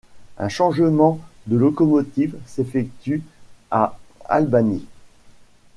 Un changement de locomotive s'effectue à Albany.